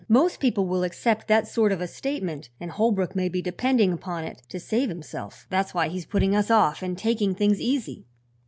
Most people will accept that sort of a statement and Holbrook may be depending upon it to save himself. That's why he's putting us off and taking things easy."